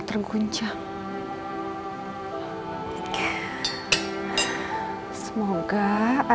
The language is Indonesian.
tidak ada apa apa